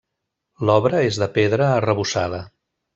L'obra és de pedra arrebossada.